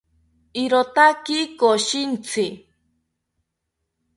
irotaki koshintzi